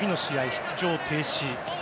出場停止。